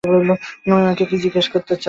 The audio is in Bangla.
তুমি আমাকে কি জিজ্ঞেস করতে চাও?